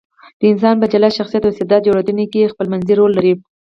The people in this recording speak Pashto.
د انسان په جلا شخصیت او استعداد جوړېدنه کې خپلمنځي رول لري.